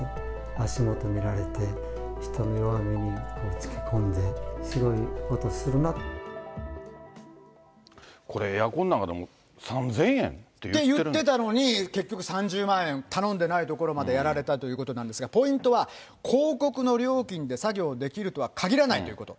足元見られて、人の弱みにつけこんで、これ、エアコンなんか３０００円って。って言ってたのに、結局、３０万円、頼んでない所までやられたということなんですが、ポイントは、広告の料金で作業できるとは限らないということ。